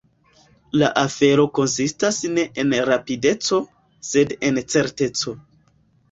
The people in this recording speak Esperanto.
La afero konsistas ne en rapideco, sed en certeco.